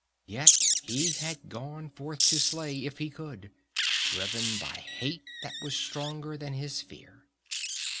Yet he had gone forth to slay if he could, driven by hate that was stronger than his fear.